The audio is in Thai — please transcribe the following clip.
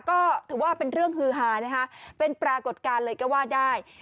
ก็ถือว่าเป็นเรื่องฮือหานะคะเป็นปรากฏการณ์เลยก็ว่าได้